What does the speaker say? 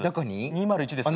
２０１です。